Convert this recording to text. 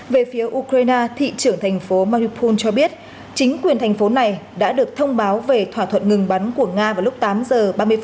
về phía ukraine thị trưởng thành phố mariupol cho biết chính quyền thành phố này đã được thông báo về thỏa thuận ngừng bắn của nga vào lúc này